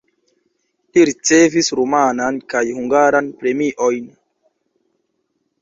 Li ricevis rumanan kaj hungaran premiojn.